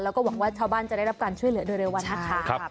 แล้วก็หวังว่าชาวบ้านจะได้รับการช่วยเหลือโดยเร็ววันนะคะ